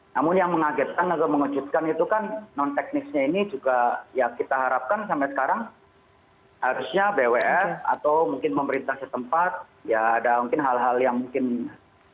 namun yang mengagetkan atau mengejutkan itu kan non teknisnya ini juga ya kita harapkan sampai sekarang harusnya bws atau mungkin pemerintah setempat ya ada mungkin hal hal yang mungkin